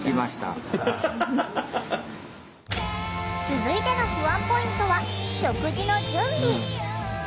続いての不安ポイントは食事の準備。